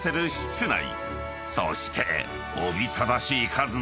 ［そして］